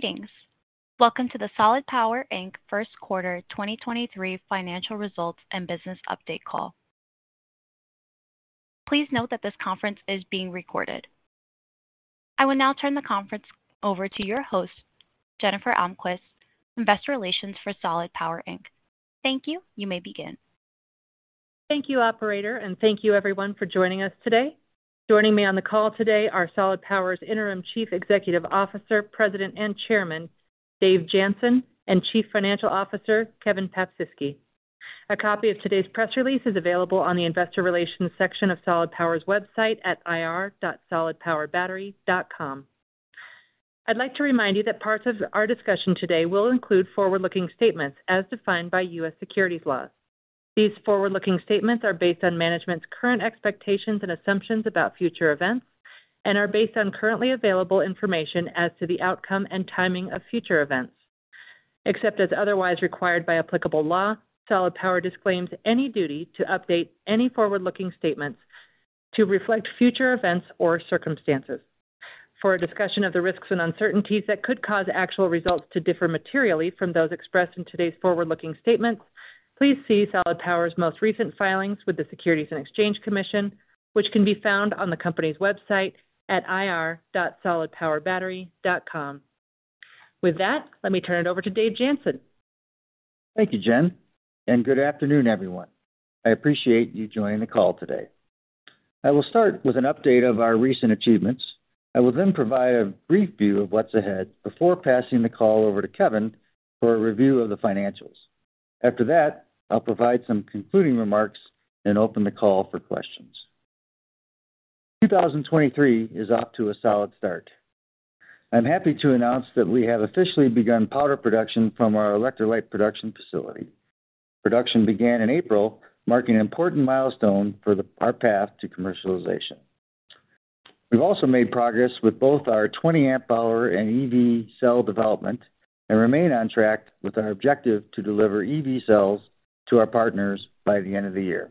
Greetings. Welcome to the Solid Power, Inc. first quarter 2023 financial results and business update call. Please note that this conference is being recorded. I will now turn the conference over to your host, Jennifer Almquist, Investor Relations for Solid Power, Inc. Thank you. You may begin. Thank you, operator, and thank you everyone for joining us today. Joining me on the call today are Solid Power's Interim Chief Executive Officer, President, and Chairman, Dave Jansen, and Chief Financial Officer, Kevin Paprzycki. A copy of today's press release is available on the investor relations section of Solid Power's website at ir.solidpowerbattery.com. I'd like to remind you that parts of our discussion today will include forward-looking statements as defined by U.S. securities laws. These forward-looking statements are based on management's current expectations and assumptions about future events and are based on currently available information as to the outcome and timing of future events. Except as otherwise required by applicable law, Solid Power disclaims any duty to update any forward-looking statements to reflect future events or circumstances. For a discussion of the risks and uncertainties that could cause actual results to differ materially from those expressed in today's forward-looking statements, please see Solid Power's most recent filings with the Securities and Exchange Commission, which can be found on the company's website at ir.solidpowerbattery.com. With that, let me turn it over to Dave Jansen. Thank you, Jen. Good afternoon, everyone. I appreciate you joining the call today. I will start with an update of our recent achievements. I will then provide a brief view of what's ahead before passing the call over to Kevin for a review of the financials. After that, I'll provide some concluding remarks and open the call for questions. 2023 is off to a solid start. I'm happy to announce that we have officially begun powder production from our electrolyte production facility. Production began in April, marking an important milestone for our path to commercialization. We've also made progress with both our 20 Ah and EV cell development and remain on track with our objective to deliver EV cells to our partners by the end of the year.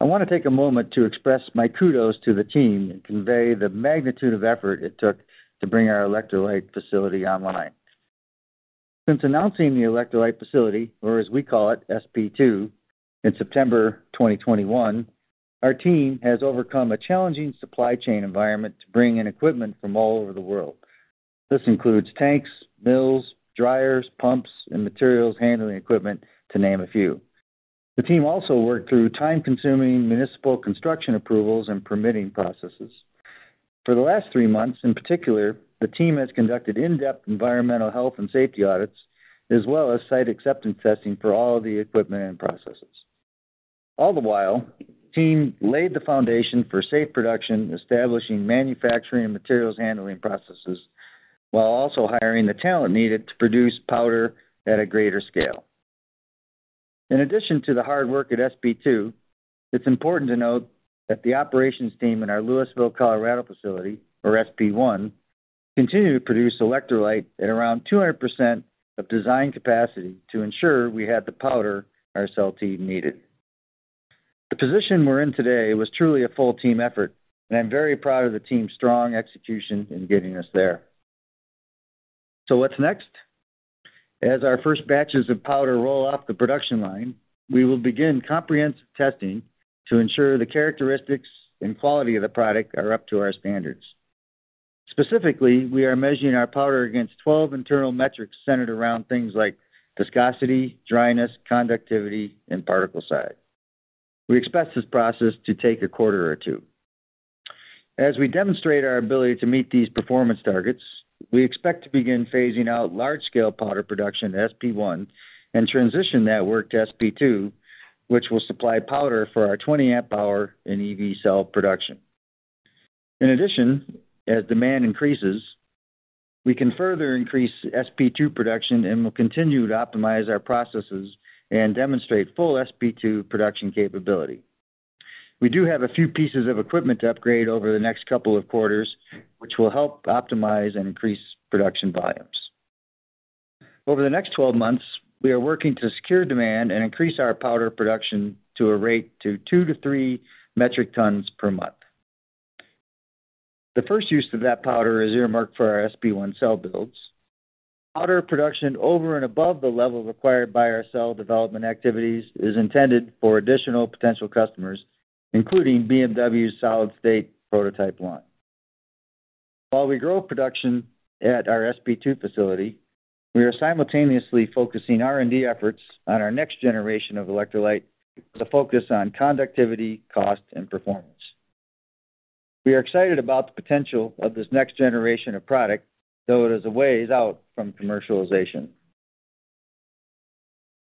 I want to take a moment to express my kudos to the team and convey the magnitude of effort it took to bring our electrolyte facility online. Since announcing the electrolyte facility, or as we call it, SP2, in September 2021, our team has overcome a challenging supply chain environment to bring in equipment from all over the world. This includes tanks, mills, dryers, pumps, and materials handling equipment, to name a few. The team also worked through time-consuming municipal construction approvals and permitting processes. For the last three months, in particular, the team has conducted in-depth environmental health and safety audits, as well as site acceptance testing for all of the equipment and processes. All the while, the team laid the foundation for safe production, establishing manufacturing and materials handling processes, while also hiring the talent needed to produce powder at a greater scale. In addition to the hard work at SP2, it's important to note that the operations team in our Louisville, Colorado facility, or SP1, continued to produce electrolyte at around 200% of design capacity to ensure we had the powder our cell team needed. The position we're in today was truly a full team effort. I'm very proud of the team's strong execution in getting us there. What's next? As our first batches of powder roll off the production line, we will begin comprehensive testing to ensure the characteristics and quality of the product are up to our standards. Specifically, we are measuring our powder against 12 internal metrics centered around things like viscosity, dryness, conductivity, and particle size. We expect this process to take a quarter or two. As we demonstrate our ability to meet these performance targets, we expect to begin phasing out large-scale powder production at SP1 and transition that work to SP2, which will supply powder for our 20 Ah and EV cell production. As demand increases, we can further increase SP2 production and will continue to optimize our processes and demonstrate full SP2 production capability. We do have a few pieces of equipment to upgrade over the next couple of quarters, which will help optimize and increase production volumes. Over the next 12 months, we are working to secure demand and increase our powder production to a rate to 2-3 metric tons per month. The first use of that powder is earmarked for our SP1 cell builds. Powder production over and above the level required by our cell development activities is intended for additional potential customers, including BMW's solid-state prototype line. While we grow production at our SP2 facility, we are simultaneously focusing R&D efforts on our next generation of electrolyte with a focus on conductivity, cost, and performance. We are excited about the potential of this next generation of product, though it is a ways out from commercialization.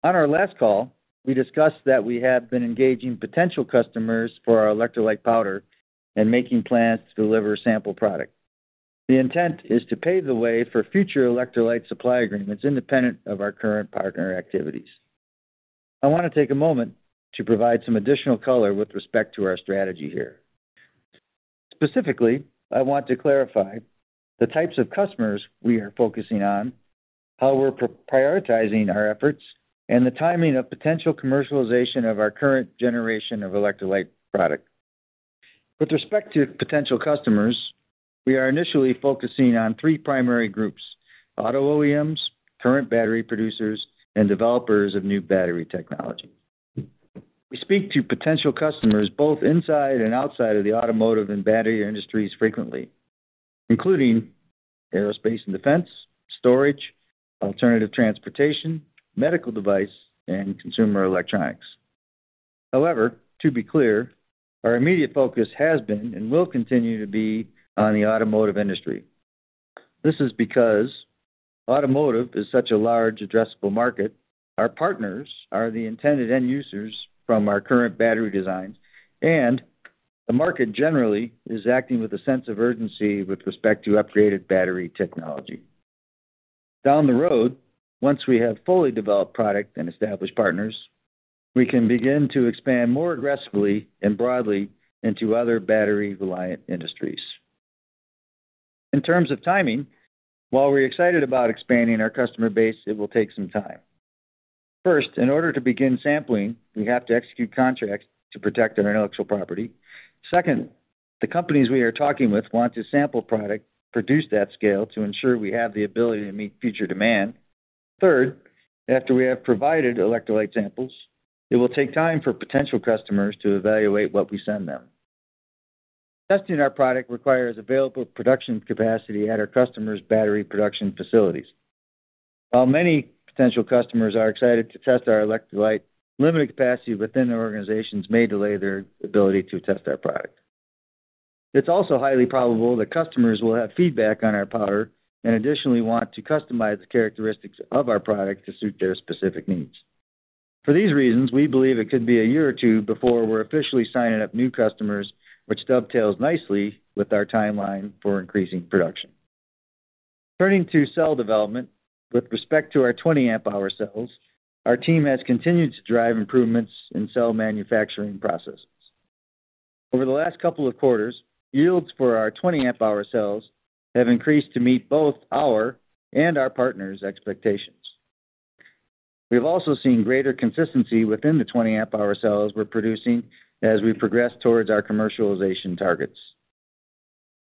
On our last call, we discussed that we have been engaging potential customers for our electrolyte powder and making plans to deliver sample product. The intent is to pave the way for future electrolyte supply agreements independent of our current partner activities. I want to take a moment to provide some additional color with respect to our strategy here. Specifically, I want to clarify the types of customers we are focusing on, how we're prioritizing our efforts, and the timing of potential commercialization of our current generation of electrolyte product. With respect to potential customers, we are initially focusing on three primary groups auto OEMs, current battery producers, and developers of new battery technology. We speak to potential customers both inside and outside of the automotive and battery industries frequently, including aerospace and defense, storage, alternative transportation, medical device, and consumer electronics. However, to be clear, our immediate focus has been and will continue to be on the automotive industry. This is because automotive is such a large addressable market. Our partners are the intended end users from our current battery designs, and the market generally is acting with a sense of urgency with respect to upgraded battery technology. Down the road, once we have fully developed product and established partners, we can begin to expand more aggressively and broadly into other battery-reliant industries. In terms of timing, while we're excited about expanding our customer base, it will take some time. First, in order to begin sampling, we have to execute contracts to protect intellectual property. Second, the companies we are talking with want to sample product, produce that scale to ensure we have the ability to meet future demand. Third, after we have provided electrolyte samples, it will take time for potential customers to evaluate what we send them. Testing our product requires available production capacity at our customers' battery production facilities. While many potential customers are excited to test our electrolyte, limited capacity within their organizations may delay their ability to test our product. It's also highly probable that customers will have feedback on our powder and additionally want to customize the characteristics of our product to suit their specific needs. For these reasons, we believe it could be a year or two before we're officially signing up new customers, which dovetails nicely with our timeline for increasing production. Turning to cell development. With respect to our 20 amp hour cells, our team has continued to drive improvements in cell manufacturing processes. Over the last couple of quarters, yields for our 20 amp hour cells have increased to meet both our and our partners' expectations. We have also seen greater consistency within the 20 amp hour cells we're producing as we progress towards our commercialization targets.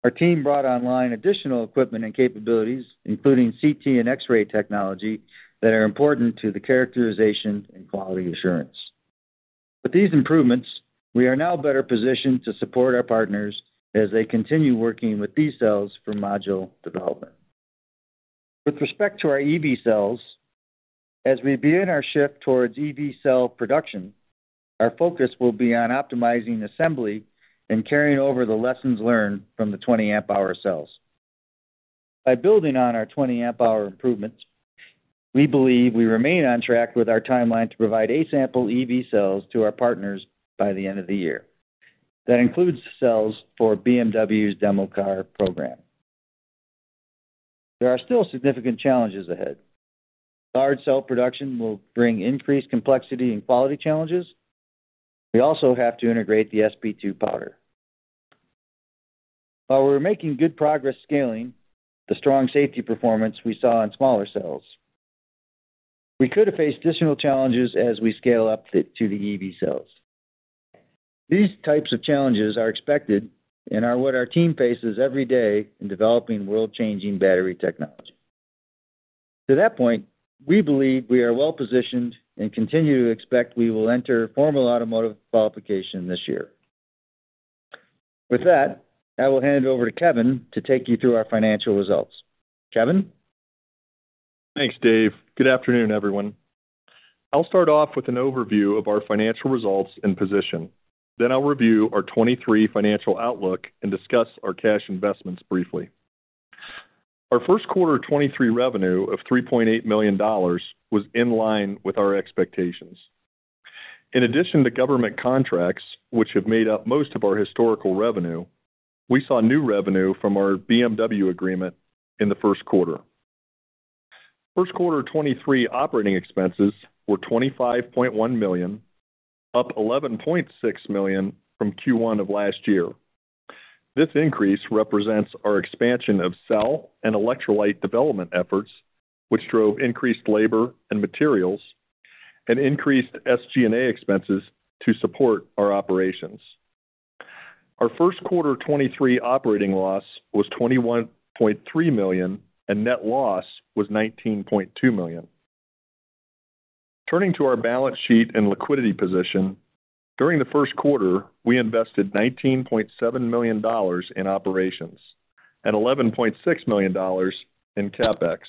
Our team brought online additional equipment and capabilities, including CT and X-ray technology, that are important to the characterization and quality assurance. With these improvements, we are now better positioned to support our partners as they continue working with these cells for module development. With respect to our EV cells, as we begin our shift towards EV cell production, our focus will be on optimizing assembly and carrying over the lessons learned from the 20 Ah cells. By building on our 20 Ah improvements, we believe we remain on track with our timeline to provide A-sample EV cells to our partners by the end of the year. That includes cells for BMW's demo car program. There are still significant challenges ahead. Large cell production will bring increased complexity and quality challenges. We also have to integrate the SP2 powder. While we're making good progress scaling the strong safety performance we saw in smaller cells, we could face additional challenges as we scale up to the EV cells. These types of challenges are expected and are what our team faces every day in developing world-changing battery technology. To that point, we believe we are well positioned and continue to expect we will enter formal automotive qualification this year. With that, I will hand it over to Kevin to take you through our financial results. Kevin? Thanks, Dave. Good afternoon, everyone. I'll start off with an overview of our financial results and position. I'll review our 2023 financial outlook and discuss our cash investments briefly. Our first quarter of 2023 revenue of $3.8 million was in line with our expectations. In addition to government contracts, which have made up most of our historical revenue, we saw new revenue from our BMW agreement in the first quarter. First quarter of 2023 operating expenses were $25.1 million, up $11.6 million from Q1 of last year. This increase represents our expansion of cell and electrolyte development efforts, which drove increased labor and materials, and increased SG&A expenses to support our operations. Our first quarter of 2023 operating loss was $21.3 million, and net loss was $19.2 million. Turning to our balance sheet and liquidity position, during the first quarter, we invested $19.7 million in operations and $11.6 million in CapEx.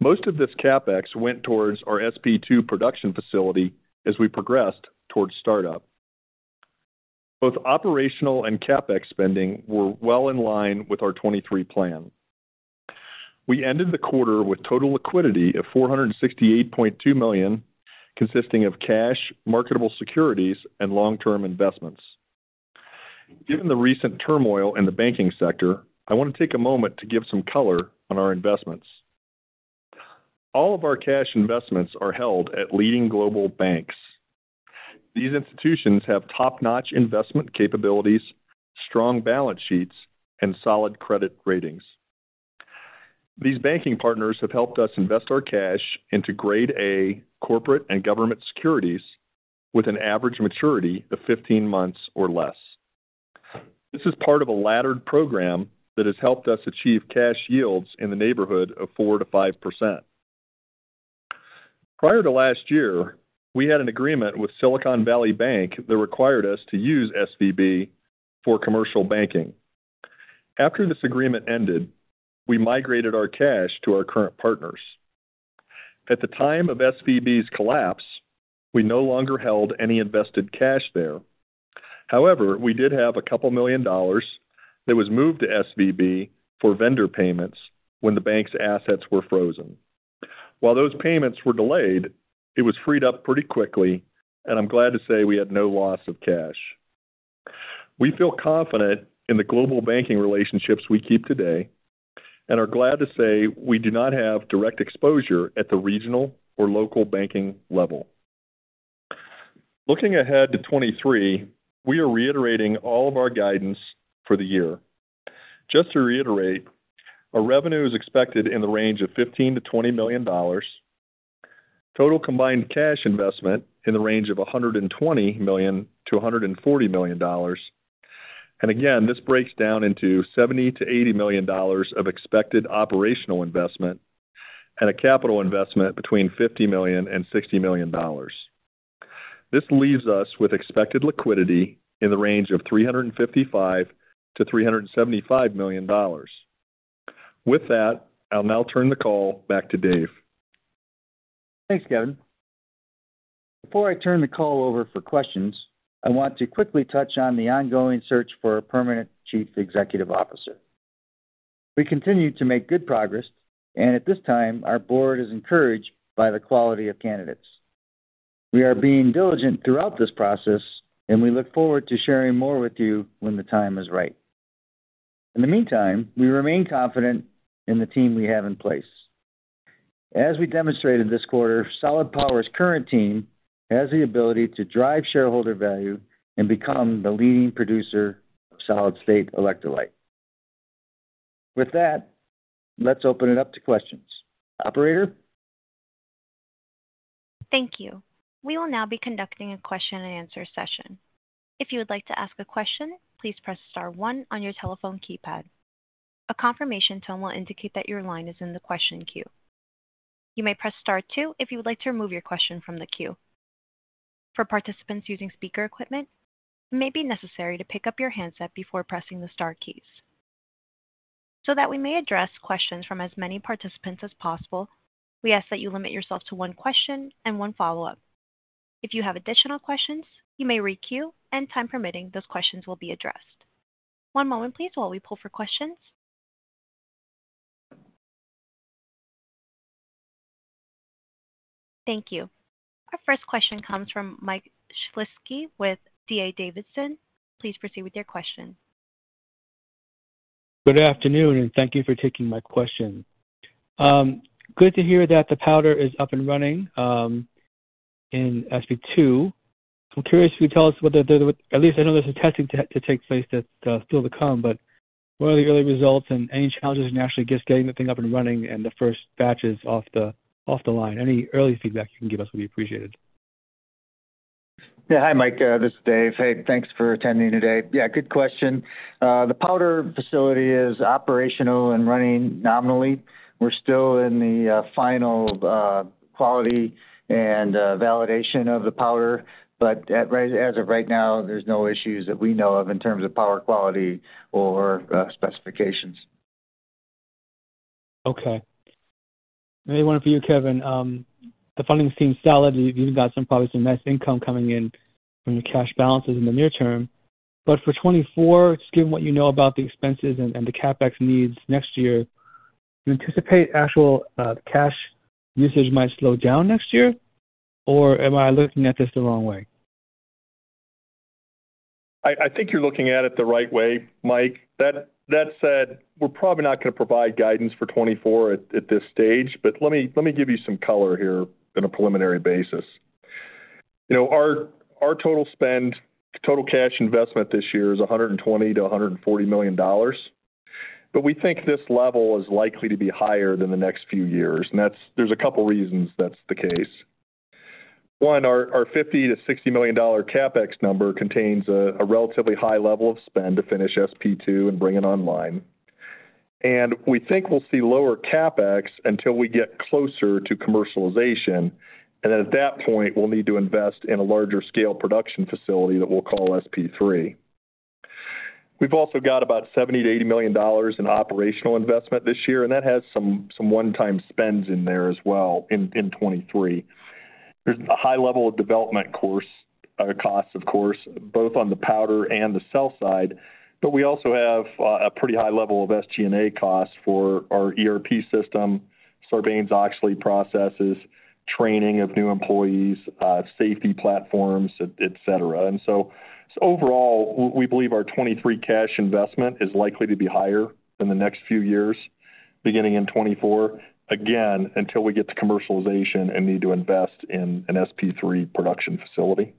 Most of this CapEx went towards our SP2 production facility as we progressed towards startup. Both operational and CapEx spending were well in line with our 2023 plan. We ended the quarter with total liquidity of $468.2 million, consisting of cash, marketable securities, and long-term investments. Given the recent turmoil in the banking sector, I want to take a moment to give some color on our investments. All of our cash investments are held at leading global banks. These institutions have top-notch investment capabilities, strong balance sheets, and solid credit ratings. These banking partners have helped us invest our cash into grade A corporate and government securities with an average maturity of 15 months or less. This is part of a laddered program that has helped us achieve cash yields in the neighborhood of 4%-5%. Prior to last year, we had an agreement with Silicon Valley Bank that required us to use SVB for commercial banking. After this agreement ended, we migrated our cash to our current partners. At the time of SVB's collapse, we no longer held any invested cash there. However, we did have $2 million that was moved to SVB for vendor payments when the bank's assets were frozen. While those payments were delayed, it was freed up pretty quickly, and I'm glad to say we had no loss of cash. We feel confident in the global banking relationships we keep today and are glad to say we do not have direct exposure at the regional or local banking level. Looking ahead to 2023, we are reiterating all of our guidance for the year. Just to reiterate, our revenue is expected in the range of $15 million-$20 million. Total combined cash investment in the range of $120 million-$140 million. Again, this breaks down into $70 million-$80 million of expected operational investment and a capital investment between $50 million and $60 million. This leaves us with expected liquidity in the range of $355 million-$375 million. With that, I'll now turn the call back to Dave. Thanks, Kevin. Before I turn the call over for questions, I want to quickly touch on the ongoing search for a permanent chief executive officer. We continue to make good progress, and at this time, our board is encouraged by the quality of candidates. We are being diligent throughout this process, and we look forward to sharing more with you when the time is right. In the meantime, we remain confident in the team we have in place. As we demonstrated this quarter, Solid Power's current team has the ability to drive shareholder value and become the leading producer of solid-state electrolyte. With that, let's open it up to questions. Operator? Thank you. We will now be conducting a question and answer session. If you would like to ask a question, please press star one on your telephone keypad. A confirmation tone will indicate that your line is in the question queue. You may press star two if you would like to remove your question from the queue. For participants using speaker equipment, it may be necessary to pick up your handset before pressing the star keys. So that we may address questions from as many participants as possible, we ask that you limit yourself to one question and one follow-up. If you have additional questions, you may re-queue, and time permitting, those questions will be addressed. One moment please while we pull for questions. Thank you. Our first question comes from Mike Shlisky with D.A. Davidson. Please proceed with your question. Good afternoon. Thank you for taking my question. Good to hear that the powder is up and running in SP2. I'm curious if you could tell us at least I know there's some testing to take place that still to come, but what are the early results and any challenges in actually just getting the thing up and running and the first batches off the line? Any early feedback you can give us will be appreciated. Hi, Mike. This is Dave. Hey, thanks for attending today. Good question. The powder facility is operational and running nominally. We're still in the final quality and validation of the powder. As of right now, there's no issues that we know of in terms of power quality or specifications. Okay. Maybe one for you, Kevin. The funding seems solid. You've got some probably some nice income coming in from the cash balances in the near term. For 2024, just given what you know about the expenses and the CapEx needs next year, do you anticipate actual cash usage might slow down next year, or am I looking at this the wrong way? I think you're looking at it the right way, Mike. That said, we're probably not gonna provide guidance for 2024 at this stage. Let me give you some color here on a preliminary basis. You know, our total spend, total cash investment this year is $120 million-$140 million. We think this level is likely to be higher than the next few years. That's there's a couple reasons that's the case. One, our $50 million-$60 million CapEx number contains a relatively high level of spend to finish SP2 and bring it online. We think we'll see lower CapEx until we get closer to commercialization. At that point, we'll need to invest in a larger scale production facility that we'll call SP3. We've also got about $70 million-$80 million in operational investment this year, and that has some one-time spends in there as well in 2023. There's a high level of development course, costs, of course, both on the powder and the cell side, but we also have a pretty high level of SG&A costs for our ERP system, Sarbanes-Oxley processes, training of new employees, safety platforms, et cetera. Overall, we believe our 2023 cash investment is likely to be higher than the next few years, beginning in 2024, again, until we get to commercialization and need to invest in an SP3 production facility.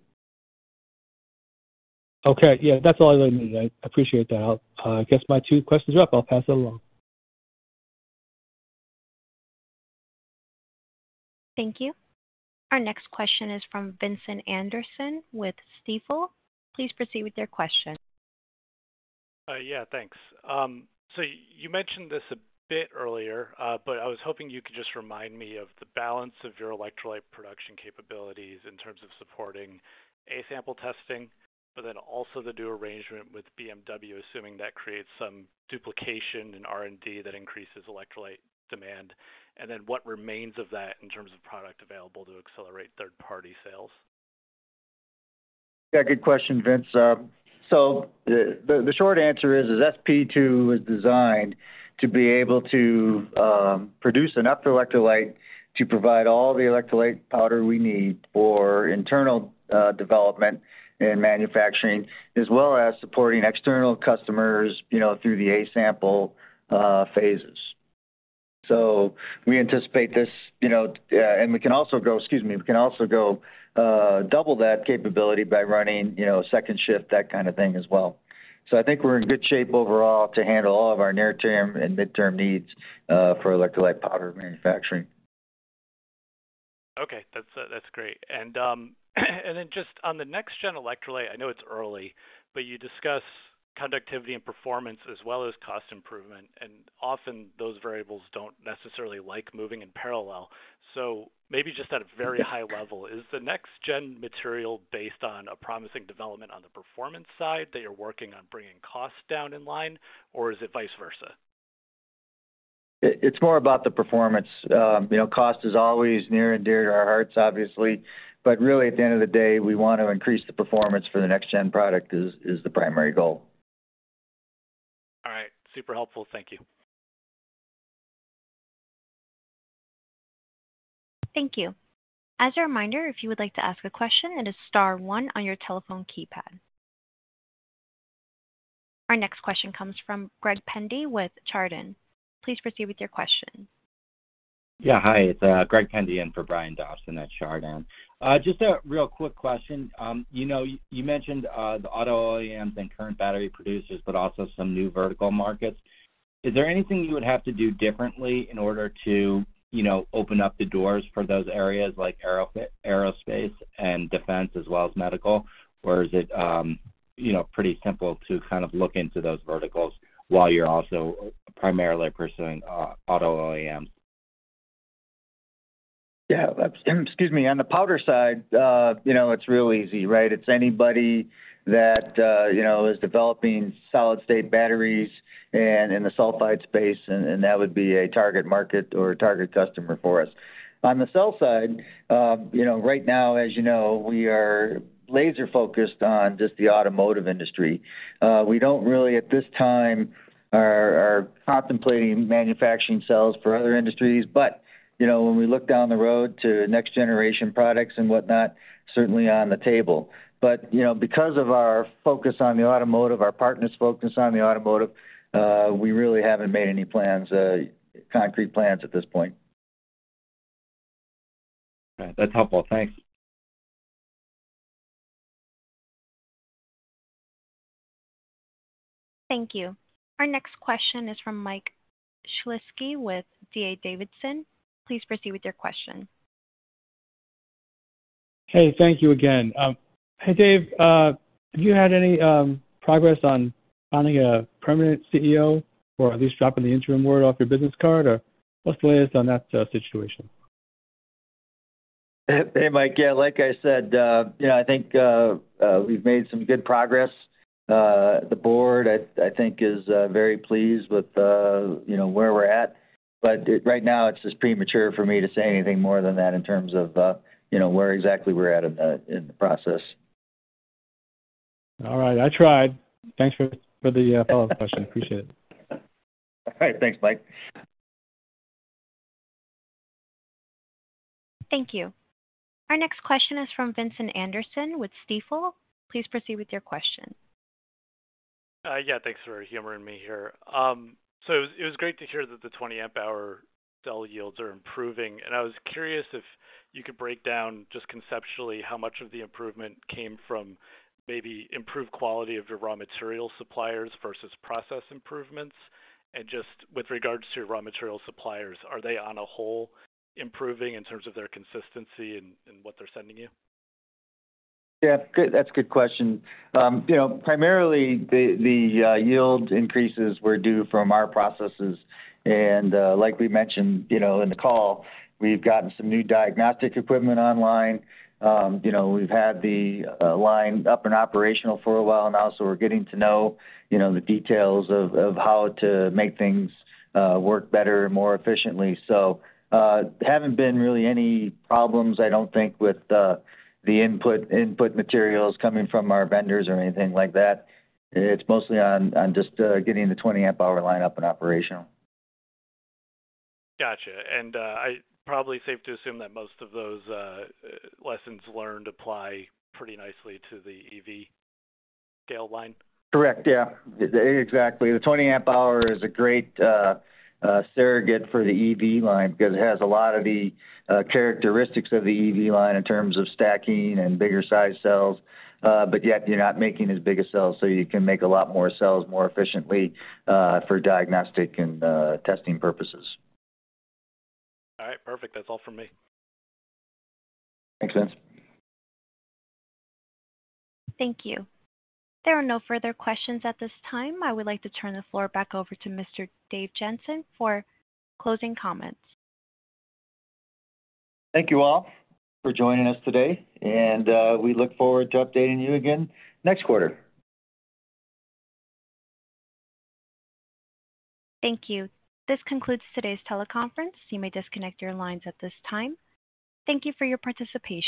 Yeah, that's all I really need. I appreciate that. I'll, I guess my two questions are up. I'll pass that along. Thank you. Our next question is from Vincent Anderson with Stifel. Please proceed with your question. Yeah, thanks. You mentioned this a bit earlier, I was hoping you could just remind me of the balance of your electrolyte production capabilities in terms of supporting A-sample testing, also the new arrangement with BMW, assuming that creates some duplication in R&D that increases electrolyte demand. What remains of that in terms of product available to accelerate third-party sales? Yeah, good question, Vincent. The short answer is, SP2 is designed to be able to produce enough electrolyte to provide all the electrolyte powder we need for internal development and manufacturing, as well as supporting external customers, you know, through the A-sample phases. We anticipate this, you know. We can also go, excuse me. We can also go double that capability by running, you know, a second shift, that kind of thing as well. I think we're in good shape overall to handle all of our near-term and midterm needs for electrolyte powder manufacturing. Okay. That's great. Then just on the next gen electrolyte, I know it's early, but you discuss conductivity and performance as well as cost improvement, and often those variables don't necessarily like moving in parallel. Maybe just at a very high level, is the next gen material based on a promising development on the performance side that you are working on bringing costs down in line, or is it vice versa? It's more about the performance. You know, cost is always near and dear to our hearts, obviously. Really, at the end of the day, we want to increase the performance for the next-gen product is the primary goal. All right. Super helpful. Thank you. Thank you. As a reminder, if you would like to ask a question, it is star one on your telephone keypad. Our next question comes from Greg Pendy with Chardan. Please proceed with your question. Hi, it's Greg Pendy in for Brian Dobson at Chardan. Just a real quick question. You know, you mentioned the auto OEMs and current battery producers, but also some new vertical markets. Is there anything you would have to do differently in order to, you know, open up the doors for those areas like aerospace and defense as well as medical? Is it, you know, pretty simple to kind of look into those verticals while you're also primarily pursuing auto OEMs? Yeah. Excuse me. On the powder side, you know, it's real easy, right? It's anybody that, you know, is developing solid-state batteries and in the sulfide space, and that would be a target market or a target customer for us. On the cell side, you know, right now, as you know, we are laser-focused on just the automotive industry. We don't really at this time are contemplating manufacturing cells for other industries. You know, when we look down the road to next-generation products and whatnot, certainly on the table. You know, because of our focus on the automotive, our partners' focus on the automotive, we really haven't made any plans, concrete plans at this point. All right. That's helpful. Thanks. Thank you. Our next question is from Mike Shlisky with D.A. Davidson. Please proceed with your question. Hey, thank you again. Hey, Dave. Have you had any progress on finding a permanent CEO or at least dropping the interim word off your business card? What's the latest on that situation? Hey, Mike. Yeah, like I said, you know, I think we've made some good progress. The board I think is very pleased with, you know, where we're at, but right now it's just premature for me to say anything more than that in terms of, you know, where exactly we're at in the process. All right. I tried. Thanks for the follow-up question. Appreciate it. All right. Thanks, Mike. Thank you. Our next question is from Vincent Anderson with Stifel. Please proceed with your question. Yeah. Thanks for humoring me here. It was great to hear that the 20 Ah cell yields are improving. I was curious if you could break down just conceptually how much of the improvement came from maybe improved quality of your raw material suppliers versus process improvements. Just with regards to your raw material suppliers, are they on a whole improving in terms of their consistency in what they're sending you? Yeah. Good. That's a good question. You know, primarily the yield increases were due from our processes. Like we mentioned, you know, in the call, we've gotten some new diagnostic equipment online. You know, we've had the line up and operational for a while now, so we're getting to know, you know, the details of how to make things work better and more efficiently. Haven't been really any problems, I don't think, with the input materials coming from our vendors or anything like that. It's mostly on just getting the 20 Ah line up and operational. Gotcha. I probably safe to assume that most of those, lessons learned apply pretty nicely to the EV scale line? Correct. Yeah. Exactly. The 20 Ah is a great surrogate for the EV line because it has a lot of the characteristics of the EV line in terms of stacking and bigger-sized cells. Yet you're not making as big a cell, so you can make a lot more cells more efficiently for diagnostic and testing purposes. All right. Perfect. That's all for me. Thanks, Vince. Thank you. There are no further questions at this time. I would like to turn the floor back over to Mr. Dave Jansen for closing comments. Thank you all for joining us today, and, we look forward to updating you again next quarter. Thank you. This concludes today's teleconference. You may disconnect your lines at this time. Thank you for your participation.